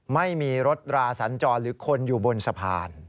ไม่มีรถราสันจรหรือคนอยู่บนสะพาน